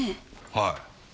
はい。